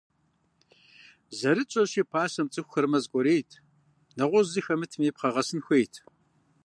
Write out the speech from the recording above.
Зэрытщӏэщи, пасэм цӏыхухэр мэз кӏуэрейт, нэгъуэщӏ зы хэмытми, пхъэгъэсын хуейт.